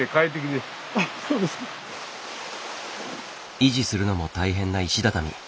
維持するのも大変な石畳。